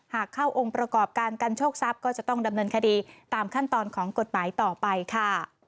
เข้าองค์ประกอบการกันโชคทรัพย์ก็จะต้องดำเนินคดีตามขั้นตอนของกฎหมายต่อไปค่ะ